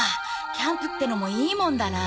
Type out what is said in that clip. キャンプってのもいいもんだな。